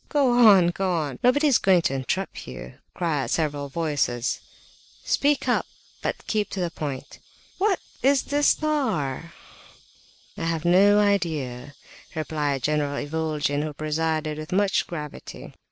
"Go on! Go on! Nobody is going to interrupt you!" cried several voices. "Speak, but keep to the point!" "What is this 'star'?" asked another. "I have no idea," replied General Ivolgin, who presided with much gravity.